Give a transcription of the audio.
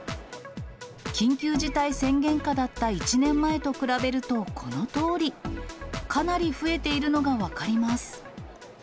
緊急事態宣言下だった１年前と比べると、このとおり。かなり増えているのが分かります。